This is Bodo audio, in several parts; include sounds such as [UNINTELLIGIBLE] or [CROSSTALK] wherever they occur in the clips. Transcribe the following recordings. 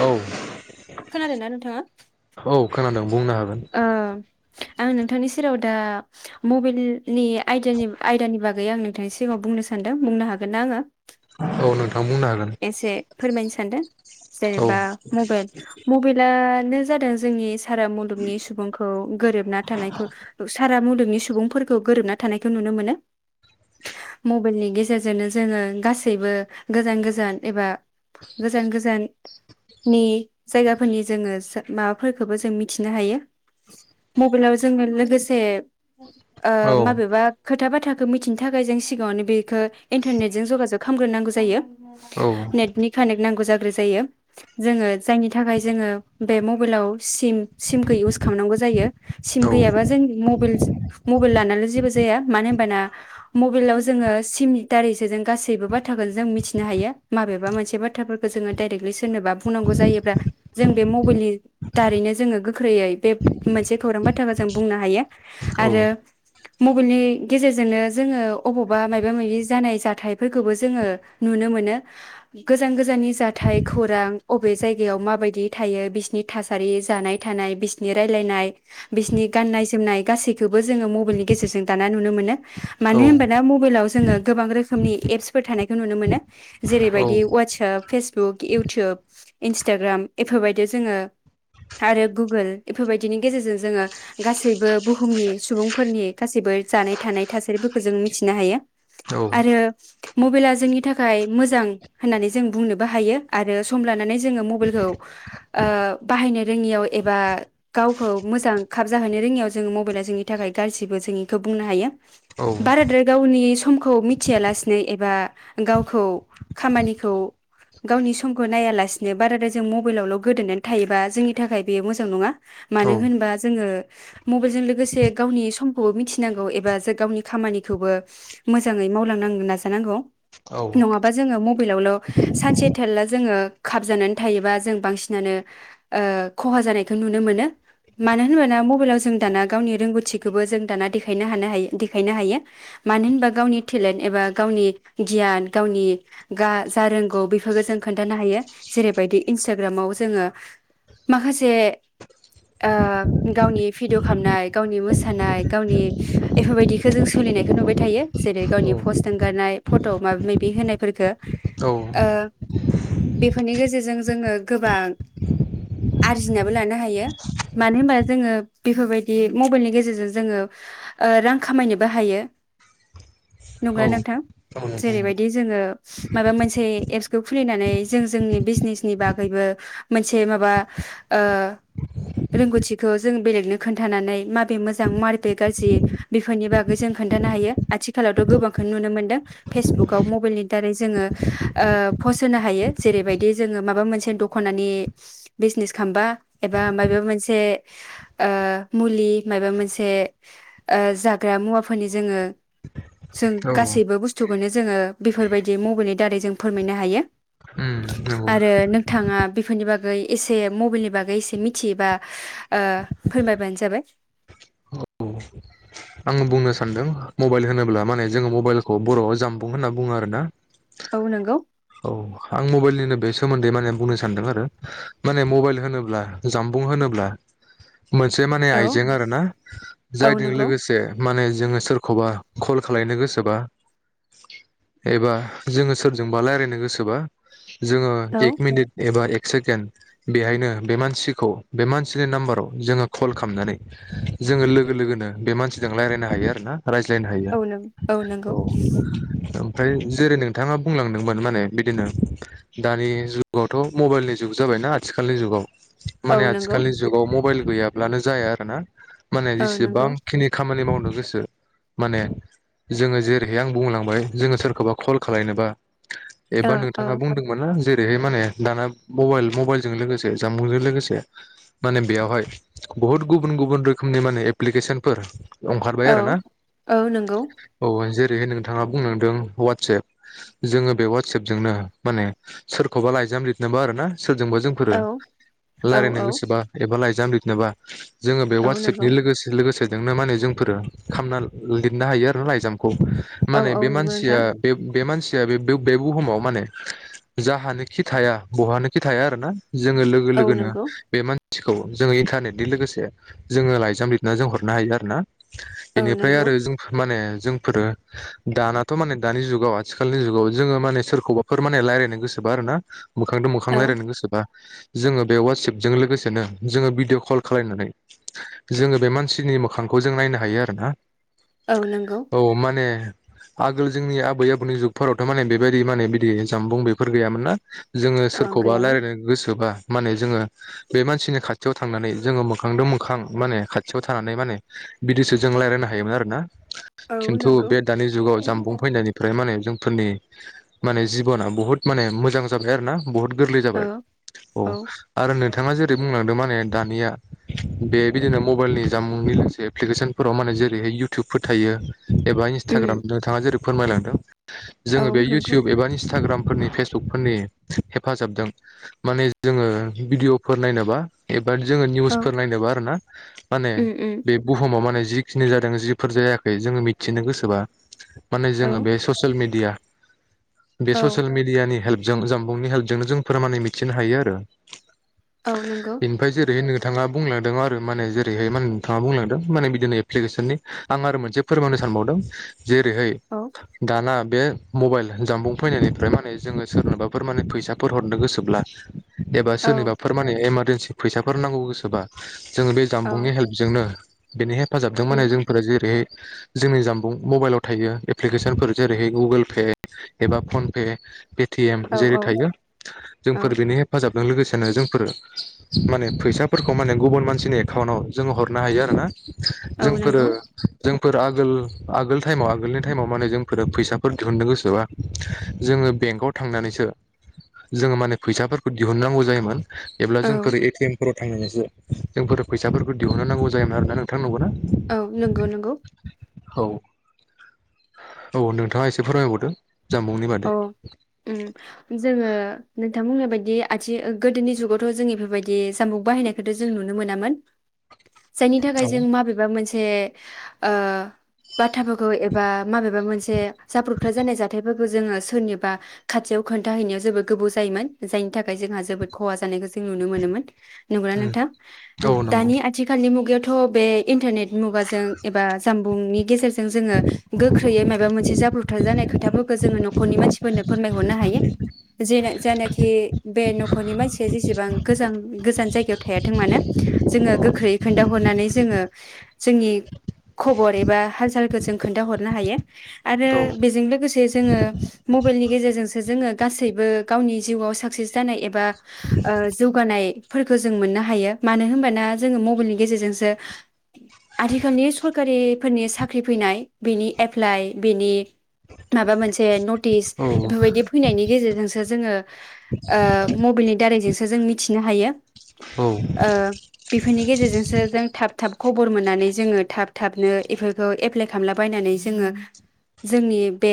औ खोनादोंना नोंथांङा? औ खोनादों बुंनो हागोन। आं नोंथांनि सेराव दा मबेइलनि आयदानि आयदानि बागै आं नोंथांनि सिगांङाव बुंनो सान्दों बुंनो हागोन ना आंङो? औ नोंथां बुंनो हागोन एसे फोरमायनोसै [UNINTELLIGIBLE] औ जेनेबा मबेइल मबेइला नो जादों जोंनि सारा मुलुगनि सुबुंखौ गोरोबना थानायखौ सारा मुलुग नि सुबुंफोरखौ गोरोबना थानायखौ नुनो मोनो मबेलनि गेजेरजोंनो जोंङो गासैबो गोजान गोजान गोजान एबा गोजान गोजान नि जायगाफोरनि जोङो माबाफोरखौबो जों मिथिनो हायो मबेइलाव जोङो लोगोसे ओ औ माबेबा खो खोथा बाथ्राखौ मिथिनो थाखाय जों सिगांङावनो बेखौ इन्टारनेटजों जगाजग खालामग्रोनांगौ जायो। औ नेटनि कानेक्ट नांगौ जाग्रो जायो जोङो जायनि थाखाय जोङो बे मबेइलाव सिम सिमखो इउस खालामनांगौ जायो सिम गैयाबा जों मबेल मबाइल लानानैाल' जेबो जाया मानो होनबाना मबाइलाव जोङो सिमनि दारैसो जों गासैबो बाथ्राखौ जों मिथि नो हायो माबेबा मोनसे बाथ्राफोरखौ जोङो डाइरेक्टलि सोरनोबा बुंनांगौ जायोब्ला जों बे मबेइलनि दारैनो जोङो गोख्रैयै बे मोनसे खौरां बाथ्राखौ जों बुंनो हायो औ आरो मबाइलनि गेजेरजोंनो जोङो अबावबा मायबा मायबि जानाय जाथायफोरखौबो जोङो नुनो मोनो गोजान गोजाननि जाथाय खौरां अबे जायगायाव माबायदि थायो बिसिनि थासारि जानाय थानाय बिसनि रायलायनाय बिसनि गाननाय जोमनाय गासैखौबो जोङो मबाइलनि गेजेरजों दाना नुनो मोनो। औ मानो होनबा दा मबेइलाव जोङो गोबां रोखोमनि एप्सफोर थानायखौ नुनो मोनो औ जेरैबायदि WhatsApp face Facebook, YouTube, Instagram एफोरबायदियाव जोङो आरो गुगोल एफोरबायदिनि गेजेरजों जोङो गासैबो बुहुमनि सुबुंफोरनि गासैबो जानाय थानाय थासारिफोरखौ जों मिथिनो हायो। आरो मबाइला जोंनि थाखाय मोजां होननानै जों बुंनोबो हायो। आरो सम लानानै जोङो मबाइलखौ ओ बाहायनो रोङियाव एबा गावखौ मोजां खाब जाहोनो रोङियाव जोङो मबाइला जोंनि थाखाय गाज्रिबो जों बेखौ बुंनो हायो। बाराद्राय गावनि समखौ मिथिया लासिनो एबा गावखौ खामानिखौ गावनि समखौ नायालासिनो बाराद्राय जों मबाइलावल' गोदोनानै थायोबा जोंनि थाखाय बेयो मोजां नङा मानो होनबा जोङो मबाइलजों लोगोसे गावनि समखौ मिथिनांगौ एबा जों गावनि खामानिखौबो मोजांङै मावलांनो नाजानांगौ नंङाबा जोङो मबाइलावल' सानसे थालला जोङो खाबजानानै थायोबा जों बांसिनानो ओ खहा जानायखौ नुनो मोनो मानो होनबाना मबाइलाव जों दाना गावनि रोंगौथिखौबो जों दाना देखायनो हानो हायो। देखायनो हायो मानो होनबा गावनि टेलेन्ट एबा गावनि गि गियान गावनि गा जा रोंगौ बेफोरखौ जों खोन्थानो हायो जेरैबायदि इन्सटाग्रामाव जोङो माखासे ओ गावनि भिडिअ खालामामनाय गावनि मोसानाय गावनि एफोरबायदिखौ जों सोलिनायखौ नुबाय थायो जेरै गावनि पस्ट होनगारनाय फट' माइबा माबि होनायफोरफोरखो ओ बेफोरनि गेजेरजों जोङो गोबां आरजिनाबो लानो हायो मानो होनबा जोङो बेफोरबायदि मबाइलनि गेजेरजों जोङो ओ रां खामायनोबो हायो नंगौना नोंथां? जेरैबायदि जोङो माबा मोनसे एप्सखौ खुलिनानै जों जोंनि बिजनेसनि बागैबो मोनसे माबा ओ रोंगौथिखौ जों बेलेगनो खोन्थानानै माबे मोजां माबे गाज्रि बेफोरनि बागै जों खोन्थानो हायो आथिखालावथ' गोबांखौनो नुनो मोन्दों। फेसबुक आव मबाइलनि दारै जोङो ओ पस्ट होनो हायो। जेरैबायदि जोङो माबा मोनसे दख'नानि बिजनेस खालामामबा एबा माइबा मोनसे ओ मुलि माइबा मोनसे ओ जाग्रा मुवाफोरनि जोङो जों औ गासैबो बुस्थ खौनो जोङो बेफोरबायदि मबाइलनि दारै जों फोरमायनो हायो उम नंगौ आरो नोंथांङा बेफोरनि बागै एसे मबाइलनि बागै एसे मिथियोबा ओ फोरमायबानो जाबाय आं बुंनो सान्दों मबाइल होनोब्ला माने जोङो मबाइलखौ बर'आव जामबुं होनना बुंङो आरोना औ नंगौ औ आं मबाइलनिनो बे सोमोन्दै माने बुंनो सानदों आरो माने मबाइल होनोब्ला जामबुं होनोब्ला मोनसे माने औ आइजें आरो ना औ जायजों नंगौ लोगोसे माने जोङो सोरखौबा कल खालायनो गोसोबा एबा जोङो सोरजोंबा रायलायनो गोसोबा जोङो औ एक मिनिट एबा सेकेन बेहायनो बे मानसिखौ बे मानसिनि नाम्बाराव जोङो कल खालामनानै जोङो लोगो लोगोनो बे मानसि जों रायलायनो हायो आरो ना रायज्लायनो हायो औ नों नंगौ औ। ओमफ्राय जेरै नोंथाङा बुंलांदोंमोन माने बिदिनो दानि जुगावथ' मबाइलनि जुग जाबायना आथिखालनि जुगाव औ माने नंगौ आथिखालनि जुगाव मबाइल गैयाब्लानो जाया आरो ना। माने औ नंगौ जेसेबांखिनि खामानि मावनो गोसो माने जोङो जेरैहाय आं बुंलांबाय जोङो सोरखौबा कल खालायनोबा औ एबा औ नोंथाङा बुंदोंमोना जे रैहाय माने दाना मबाइल मबाइलजों लोगोसे जामबुंजों लोगोसे माने बेयावहाय बहुत गुबुन गुबुन रोखोमनि माने एप्लिकेसनफोर ओंखारबाय औ आरो ना औ नंगौ औ जे रैहाय नोंथाङा बुंनांदों ववाटससेप जोङो बे ववाटससेपजोंनो माने सोरखौबा लाइजाम लिरनोबा आरो ना सोरजोंबा जोंफोरो औ औ रायलायनो औ गोसोबा एबा लाइ लाइजाम लिरनोबा जोङो बे औ वाटसापनि नंगौ लोगोसे लोगोसे बेजोंनो माने जोंफोरो खामना लिरनो हायो आरो लाइजामखौ औ माने औ बे नंगौ मानानसिया नोंथां बे बे मानसि मानसिया बे बुहुमाव माने जाहानोखि थाया बहानो खि थाया आरो ना जोंङो लोगो औ लोगोनो नंगौ बे मान सिखौ जोंङो इन्टारनेटनि लोगोसे जोंङो लाइजाम लिरना जों हरनो हायो आरो ना। औ बेनिफ्राय नंगौ आरो जों माने जोंफोरो दानाथ‌माने दानि जुगाव आथिखालनि जुगाव जोंङो माने सोरखौबाफोर माने रायलायनो गोसोबा आरो ना मोखांदों मोखां औ रायलायनो गोसोबा जोंङो बे वाटसेएपजों लोगोसेनो जोंङो भिडिअ कल खालायनानै जोंङो बे मानसिनि मोखांखौ ज जों नायनो हायो आरो ना। औ नंगौ औ माने आगोल जोंनि आबै आबौनि जुगफोरावथ माने बेबायदि माने बिदि जामबुं बेफोर गैयामोन ना। जोंङो ओ सोरखौबा गैयामोन रायलायनो गोसोबा माने जोंङो बे मानसिनि खाथियाव थांनानै जोंङो मोखांजों मोखां माने खाथियाव थानानै माने बिदिसो जों रायलायनो हायोमोन आरो ना। औ खिन्थु नंगौ बे दानि जुगाव जाम्बुं फैनायनिफ्राय माने जों फोरनि माने जिबना बुहुत माने मोजां जाबाय आरो ना? बहुत गोरलै औ जाबाय अ औ आरो नै - बिथांङा जेरै बुंलांदों माने दानिया बे बिदिनो मबाइलनि जामुनि लोगोसे एप्लिकेसनफोराव माने जेरैहाय इउटुबफोर थायो एबा इन्सटाग्राम उम नोंथांङा जेरै फोरमायलांदों औ जोंङो बे नंगौ इउटुब एबा इन्सटाग्राम फोरनि फेसबुक फोरनि हेफाजाबदों माने जोंङो भिडिअफोर नायनोबा बा जोंङो औ निउसफोर नायनोबा आरो ना माने उम उम बुहुमाव माने जिखिनि जादों जिफोर जायाखै जोंङो मिथिनो गोसोबा माने औ जोंङो बे ससियेल मिडिया बे औ ससियेल मिडया नि हेलप जों जामबुंनि हेल्पजोंनो जों फोरो मिथिनो हायो आरो औ नंगौ बेनिफ्राय जेरै नो थांङा बुंलांदों आरो माने जेरैहाय मान थांङा बुंलांदों माने बिदिनो एप्लिकेसननि आं आरो मोनसे फोरमायनो सानबावदों। जेरैहाय औ दाना बे मबाइल जामबुं फैनायनिफ्राय माने जोंङो सोरनोबाफोर माने फैसाफोर हरनो गोसोब्ला एबा औ सोरनिबाफोर माने एमार सि फैसाफोर नांगौ गोसोबा जो बे औ जामबुंनि हेल्प नो बेनि हेफ फाजाबजों माने उम जोंफोरा जेरै जोंनि जाम्बुं मबाइलाव थायो एप्लिकेसनफोर जेरैहाय गुगोल पे एबा फनपे। पेटिएम औ जेरै औ थायो औ जोंफोर बेनो हेफाजाब जों लोगोसेनो जोंफोरो माने फैसाफोरखौ माने गुबुन मानसिनि एकाउन्टाव जोङो हरनो हायो आरो ना। औ जोंफोरो नंगौ जोंफोर आगोल आगोल टाइमाव आगोलनि टाइमाव माने जोंफोर फैसाफोर दिहुननो गोसोबा जोङो बेंकआव थांनानैसो जोङो माने फैसाफोरखौ दिहुननांगौ जायोमोन। एब्ला औ जोंफोर ए टि एम फोर थांनानैसो जोंफोर फैसाफोर बेफोर दिहुननोनांगौ जायोमोन आरोना नोंथां नंगौना? औ नोंगौ नोंगौ। हौ। औ नोंथाङा एसे फोरमायबावदो। जामबुंनि औ बादै उम जोङो नोंथां बुंनाय बायदि आथि ओयो गोदोनि जुगावथ' जों इफोरबायदि सामबुक बाहायनायखौथ' जों नुनो मोनामोन। जायनि थाखाय जों माबेबा मोनस हे ओ बाथाफोखौ एबा माबेबा मोनसे जाब्रुबथाय जानाय जाथायफोर खौ जोङो सोरनिबा खाथियाव खोन्थाहैनायाव जोबोद गोबौ जायोमोन जायनि थाखाय जोंहा जोबोद खहा जानायखौ जों नुनो मोनोमोन। नोंगौना नोंथां औ नंगौ दानि आथिखालनि मुगायाव थ' बे इन्टारनेट मुगाजों एबा जामबुंनि गेजेरजो ओं जोङो गोख्रैयै मायबा मोनसे जाब्रबथाइ जानाय खोद धाबुक खो जोङो न'खरनि मानसिफोरनो फोरमायहरनो हायो जेनो जायनाखि बे न'खरनि मानसिया जेसेबां गोजां गोजान जायगायाव थायाथों मानो जोङो गोग ख्रै खोन्थाहरनानै जोङो जोंनि खबर एबा हाल सालखौ जों खोन्थाहरनो हायो। आरो औ बेजों लोगोसे। जोङो मबेइलनि गेजेरजोंसो जोङो गासैबो गावनि जिउआव साक्सेस जानाय एबा ओ जौगानायफोरखौ जों मोननो हायो मानो होनबाना जोङो मबेइलनि गेजेरजोंसो आथिखालनि सरखारिफोरनि साख्रि फैनाय बिनि एफ्लाइ बिनि माबा मोनसे नट टिस औ बेफोरबायदि फैनायनि गेजेर जोंसो जोङो ओ मबेइलनि दारैजोंसो जों मिथिनो हायो। औ। फोरनि गेजेरजोंसो जों थाब थाब खबर मोननानै जोङो थाब थाबनो इफोरखौ एफ्लाइ खालामलाबायनानै जोङो जोंनि बे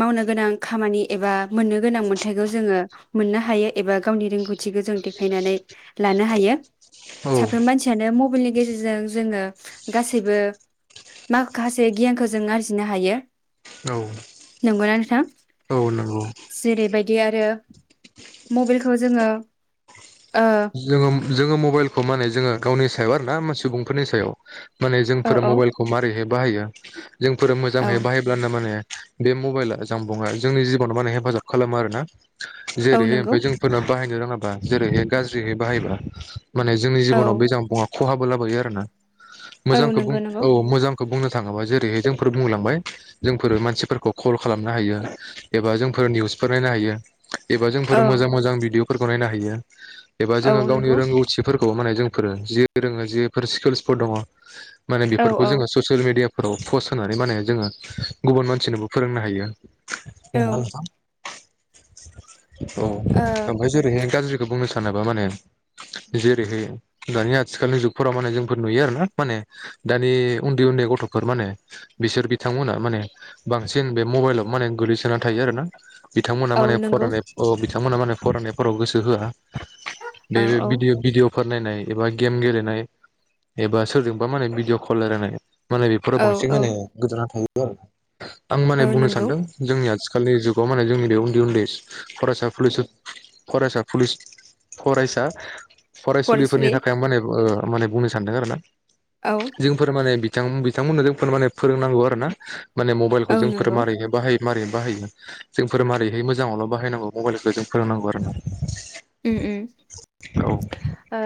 मावनो गोनां खामानि एबा मोननो गोनां मोन्थाइखौ जोङो मोननो हायो एबा गावनि रोंगौथिखो जों देखायनानै लानो हायो साफ्रोम औ मानसियानो मबेइलनि गेजेरजों जोङो गासैबो माखासे गियानखौ जों आरजिनो हायो। नंगौना नोंथां? औ औ नंगौ जेरैबायदि आरो मबेइलखौ जोङो ओ। उम जोङो मबाइलखौ माने जोङो गावनि सायाव आरोना मा सुबुंफोरनि सायाव। माने औ जोंफोर औ मबाइलखौ मारै हाय बाहायो। जोंफोर औ मोजांहै बाहायोब्लानो माने बे मबाइला जामबुंङा जोंनि जिबनाव माने हेफाजाब खालामो आरोना। औ जेरैहाय नंगौ ओमफाय जोंफोरना बाहायनो। माबा जेरैहाय गाज्रियै बाहायबा। [UNINTELLIGIBLE] माने जोंनि जिबनाव औ बे जामबुंङा खहाबो लाबोयो आरो ना औ मोजांखौ बुं नंगौ नंगौ औ मोजां खौ बुंनो थाङोबा जेरैहाय जोंफोर बुंलांबाय जोंफोरो मानसिफोरखौ खल खालामनो हायो एबा जोंफोर निउसफोर नायनो हायो। एबा औ जोंफोर मोजां मोजां भिदिअ' फोरखौ नायनो हायो। एबा जों औ गावनि नंगौ रोंगौथिफोरखौ खौ माने जोंफोरो जि रोङो जिफोर स्किल्सफोर दङ। माने औ बेफोरखौ औ जोङो ससियेल मिडिया फोराव पस्ट होनानै माने जोङो गुबुन मानसिनोबो फोरोंनो हायो। औ [UNINTELLIGIBLE] औ ओ ओमफ्राय जेरैहाय गाज्रिखौ बुंनोसै। सानोबा माने जेरैहाय दानि आथिखालनि जुगफोराव माने जोंफोर नुयो आरो ना माने दानि उन्दै उन्दै गथफोर माने बिसोर बिथांमोना माने बांसिन बे मबाइलाव माने गोग्लैसोना थायो आरोना। बिथांमोना औ माने नंगौ फरायनाय अ बिथां बिथांमोनहा माने फरायनायफोराव गोसो होआ औ बे औ भिदिअ भिदिअ फोर नायनाय एबा गेम गेलेनाय एबा सोरजोंबा माने भिडिअ कल रायलायनाय माने बेफोराव औ बांसिन औ माने गोजावना थायो। [UNINTELLIGIBLE] आं माने औ बुंनो नंगौ सान्दों जोंनिया आथिखालनि जुगाव माने जोंनि बे उन्दै उन्दै फरायसा फरायसुलि फरायसा फरायसुलि फरायसा फरायसुलिफोरनि फरायसुलि थाखाय माने ओ। होमबालाय बुंनो सानदों आरो ना? औ जोंफोर माने बि बिथां बिथांमोननो जों माने फोरोंनांगौ आरो ना। माने मबाइलखौ औ जोंफोर नंगौ मारैनो बाहायो मारै बाहायो जोंफोर मारैहाय मोजाङावल बाहायनांगौ मबाइलखौ जों फोरोंनांगौ आरो ना। उम उम औ ओ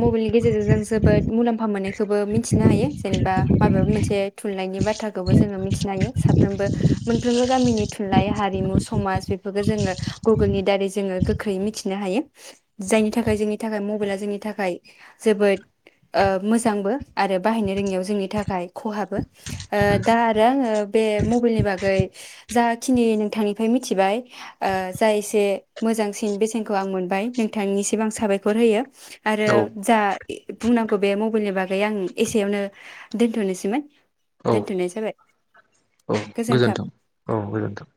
मबाइलनि गेजेरजों जों जोबोद मुलाम्फा मोननायखौबो मिथिनो हायो जेनेबा माबेबा मोनसे थुनलाइनि बाथ्राखौबो जोङो मिथिनो हायो साफ्रोमबो मोनफ्रोमबो गामिनि थुनलाइ हारिमु समाज बेफोरखौ जोङो गुगोलनि दारै जोङो गोख्रै मिथि नो हायो जायनि थाखाय जोंनि थाखाय मबाइला जोंनि थाखाय जोबोद ओ मोजांबो आरो बाहायनो रोङियाव जोंनि थाखाय खहाबो ओ दा आरो आङो बे मबाइलनि बागै जा खिनि नोंथांनिफ्राय मिथिबाय जाय एसे मोजांसिन बे खिनिखौ आं मोनबाय नोंथांनिसिम आं साबायखर होयो। आरो औ जा बुंनांगौ बे मबाइलनि बागै आं एसेयावनो दोनथनोसैमोन औ दोनथ'नाय जाबाय औ गोजोन्थों औ गोजोन्थों।